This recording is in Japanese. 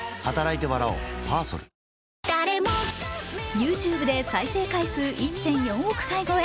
ＹｏｕＴｕｂｅで再生回数１．４億回超え。